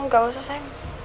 gak usah sayang